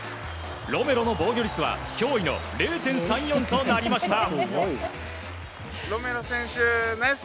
ロメロの防御率は驚異の０．３４となりました。